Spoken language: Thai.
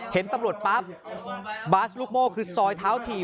เห็นตำรวจปั๊บบาสลูกโม่คือซอยเท้าถี่